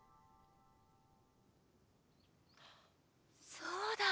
そうだ！